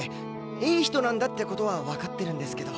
いい人なんだって事はわかってるんですけど。